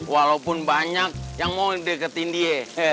walaupun banyak yang mau deketin dia